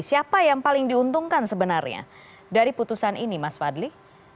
siapa yang paling diuntungkan sebenarnya dari putusan ini mas fadli